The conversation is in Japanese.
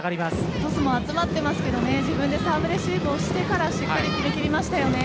トスも集まってますけど自分でサーブレシーブをしてからしっかり決め切りましたよね。